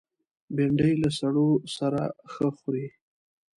بېنډۍ له سړو سره ښه خوري